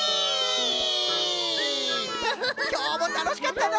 きょうもたのしかったの！